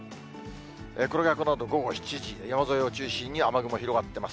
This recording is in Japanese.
これがこのあと午後７時、山沿いを中心に雨雲広がってます。